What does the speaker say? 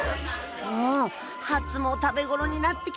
おハツも食べ頃になってきたよ